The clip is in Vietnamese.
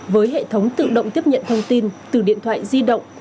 với hệ thống tự động tiếp nhận thông tin từ điện thoại di động